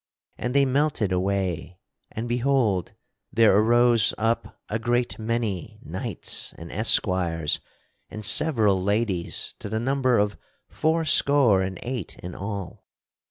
And they melted away and, behold! there arose up a great many knights and esquires and several ladies to the number of four score and eight in all.